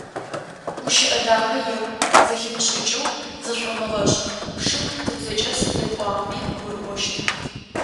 Гущыӏэ дахэ еӏу, зэхимышӏыкӏэу зышӏомыгъэшӏ, шым тыбзэкӏэ сыд епӏуагъэми гурыӏощт.